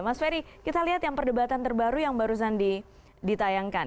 mas ferry kita lihat yang perdebatan terbaru yang barusan ditayangkan